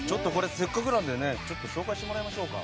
せっかくなので紹介してもらいましょうか。